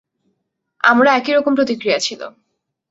আমারও একই রকম প্রতিক্রিয়া ছিল।